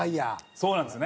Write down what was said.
そうなんですね。